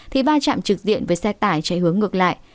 thì va chạm trực diện với xe tải chạy hướng ngược lại